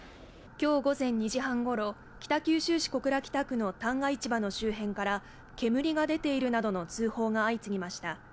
今日午前２時半ごろ、北九州市小倉北区の旦過市場の周辺から煙が出ているなどの通報が相次ぎました。